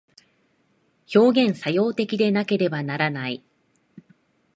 表現作用的でなければならない。